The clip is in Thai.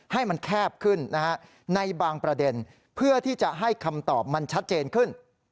ให้มันแคบขึ้นในบางประเด็นเพื่อที่จะให้คำตอบมันชัดเจนขึ้น